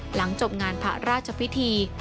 หลังจบงานพระราชพิธี